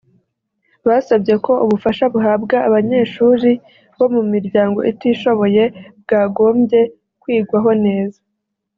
basabye ko ubufasha buhabwa abanyeshuri bo mu miryango itishoboye bwagombye kwigwaho neza